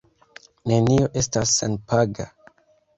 Nenio estas senpaga.